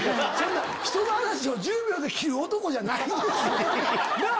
人の話を１０秒で切る男じゃないですよ！なぁ？